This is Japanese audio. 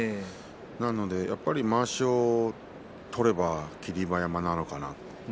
なので、やっぱりまわしを取れば霧馬山なのかな。